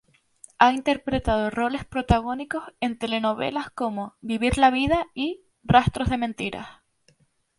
Ha interpretado roles protagónicos en telenovelas como "Vivir la Vida" y "Rastros de mentiras".